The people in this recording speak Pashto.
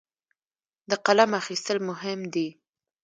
د قلم اخیستل مهم دي.